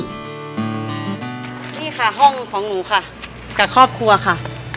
นี่ค่ะห้องของหนูค่ะกับครอบครัวค่ะ